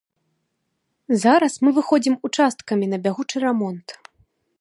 Зараз мы выходзім участкамі на бягучы рамонт.